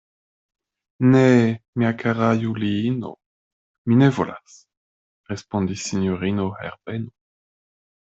Ne, mia kara Juliino, mi ne volas, respondis sinjorino Herbeno.